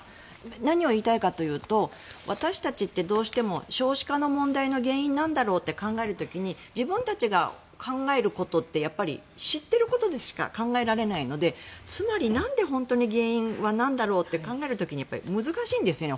何を言いたいかというと私たちってどうしても少子化の問題の原因が何だろうと考える時に自分たちが考えることってやっぱり知ってることでしか考えられないのでつまり、原因は何だろうという時に難しいんですよね。